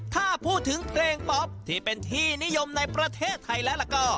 ถ้าพูดถึงเพลงป๊อปที่เป็นที่นิยมในประเทศไทยแล้วก็